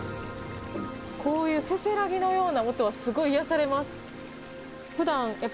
こういうせせらぎのような音はすごい癒やされます。